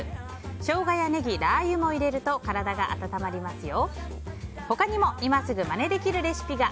ショウガやネギ、ラー油も入れると体が温まりますよ。